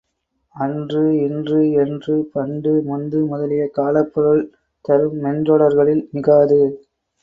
அன்று, இன்று, என்று, பண்டு, முந்து முதலிய காலப்பொருள் தரும் மென்றொடர்களில் மிகாது.